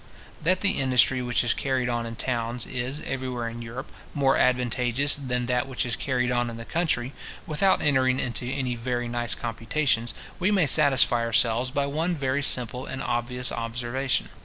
That the industry which is carried on in towns is, everywhere in Europe, more advantageous than that which is carried on in the country, without entering into any very nice computations, we may satisfy ourselves by one very simple and obvious observation.